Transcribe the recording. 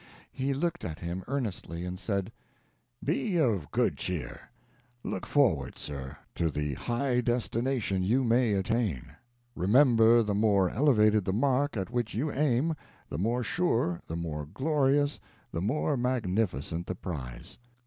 He looked at him earnestly, and said: "Be of good cheer look forward, sir, to the high destination you may attain. Remember, the more elevated the mark at which you aim, the more sure, the more glorious, the more magnificent the prize."